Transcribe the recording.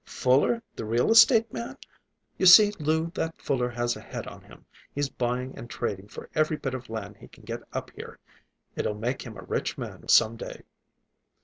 "Fuller the real estate man? You see, Lou, that Fuller has a head on him. He's buying and trading for every bit of land he can get up here. It'll make him a rich man, some day."